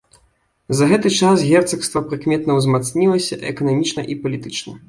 За гэты час герцагства прыкметна ўзмацнілася эканамічна і палітычна.